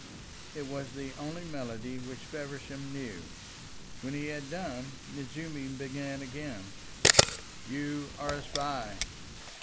It was the only melody which Feversham knew. When he had done Nejoumi began again. "You are a spy."